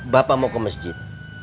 bapak mau ke masjid